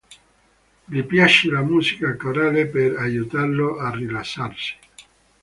Gli piace la musica corale per aiutarlo a rilassarsi.